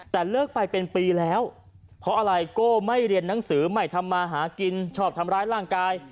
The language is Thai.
แต่เลิกไปเป็นปีแล้วเพราะอะไรโก้ไม่เรียนหนังสือไม่ทำมาหากินชอบทำร้ายร่างกาย